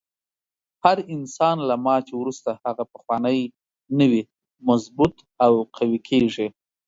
هر انسان له ماتې وروسته هغه پخوانی نه وي، مضبوط او قوي کیږي.